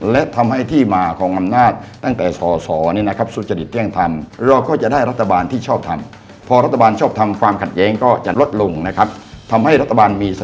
และทำให้ที่มาของอำนาจตั้งแต่สสนี่นะครับสุจริตเตรียงธรรม